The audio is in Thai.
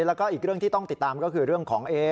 แล้วก็อีกเรื่องที่ต้องติดตามก็คือเรื่องของ